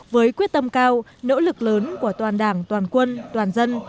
với quyết tâm cao nỗ lực lớn của toàn đảng toàn quân toàn dân